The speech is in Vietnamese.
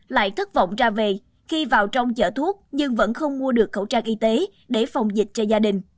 lại thất vọng ra về khi vào trong chợ thuốc nhưng vẫn không mua được khẩu trang y tế để phòng dịch cho gia đình